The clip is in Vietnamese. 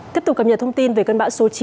tiếp tục cập nhật thông tin về cơn bão số chín